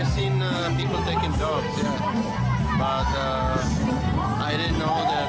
saya melihat orang orang mengambil anjing